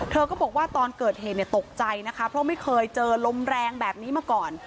เธอก็บอกว่าตอนเกิดเหตุตกใจนะคะเพราะไม่เคยเจอลมแรงแบบนี้มาก่อน